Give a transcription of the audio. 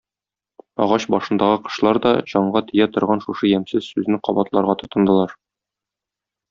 Агач башындагы кошлар да җанга тия торган шушы ямьсез сүзне кабатларга тотындылар.